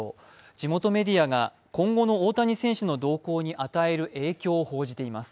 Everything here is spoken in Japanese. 地元メディアが今後の大谷選手の動向に与える影響を報じています。